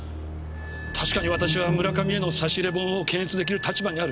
確かに私は村上への差し入れ本を検閲できる立場にある。